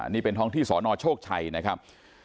นี่เป็นท้องที่สนโชคชัยนะครับ